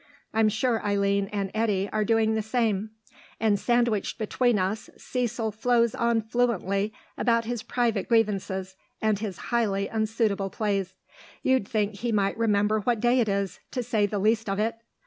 I'm sure Eileen and Eddy are doing the same; and sandwiched between us, Cecil flows on fluently about his private grievances and his highly unsuitable plays. You'd think he might remember what day it is, to say the least of it.